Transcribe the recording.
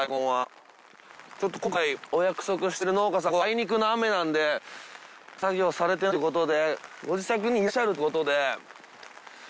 ちょっと今回お約束してる農家さんあいにくの雨なんで作業されてないということで。